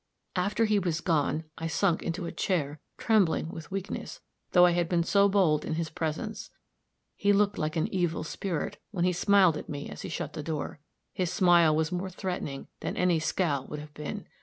"After he was gone, I sunk into a chair, trembling with weakness, though I had been so bold in his presence. He looked like an evil spirit, when he smiled at me as he shut the door. His smile was more threatening than any scowl would have been.